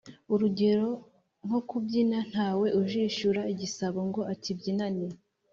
urugero nko kubyina, ntawe ujishura igisabo ngo akibyinane,